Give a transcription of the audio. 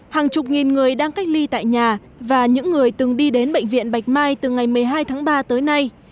hàng chục nghìn người đang cách ly tại nhà và những người từng đi đến bệnh viện bạch mai từ ngày một mươi hai tháng ba tới nay